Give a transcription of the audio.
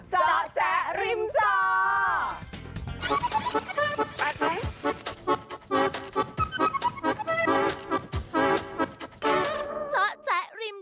เจาะแจ๊ะริมเจาะ